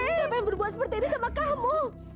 siapa yang berbuat seperti ini sama kamu